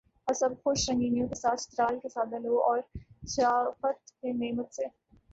ان سب خوش رنگینیوں کے ساتھ چترال کے سادہ لوح اور شرافت کی نعمت سے